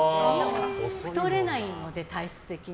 太れないので、体質的に。